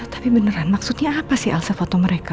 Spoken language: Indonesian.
tapi beneran maksudnya apa sih elsa foto mereka